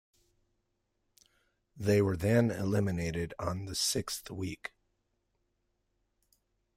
They were then eliminated on the sixth week.